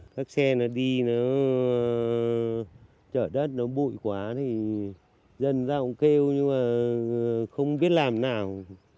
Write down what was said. các xe nó đi nó chở đất nó bụi quá thì dân ra cũng kêu nhưng mà không biết làm nào